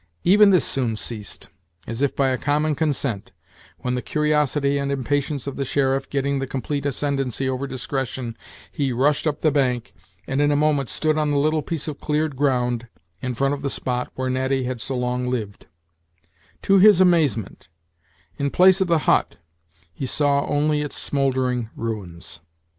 Even this soon ceased, as if by a common consent, when the curiosity and impatience of the sheriff getting the complete ascendency over discretion, he rushed up the bank, and in a moment stood on the little piece of cleared ground in front of the spot where Natty had so long lived, To his amazement, in place of the hut he saw only its smouldering ruins.